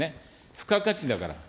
付加価値だから。